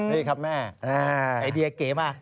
นี่ครับแม่ไอเดียเก๋มา